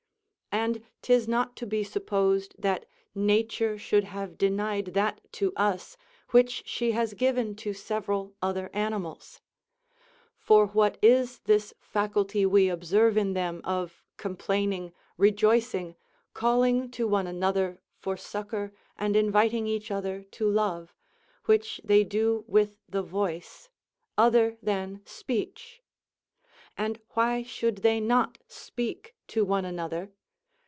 And 'tis not to be supposed that nature should have denied that to us which she has given to several other animals: for what is this faculty we observe in them, of complaining, rejoicing, calling to one another for succour, and inviting each other to love, which they do with the voice, other than speech? And why should they not speak to one another?